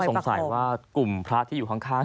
แต่ผมก็สงสัยว่ากลุ่มพระที่อยู่ข้าง